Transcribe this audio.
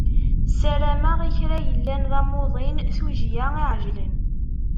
Ssarameɣ i kra yellan d amuḍin tujjya iɛejlen.